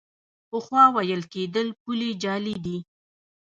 پخوا ویل کېدل پولې جعلي دي.